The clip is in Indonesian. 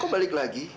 kok balik lagi